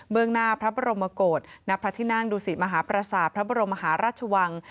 เมืองหน้าพระบรมกฏณพระที่นั่งดูสิตมหาประสาทพระบรมมหาราชวัง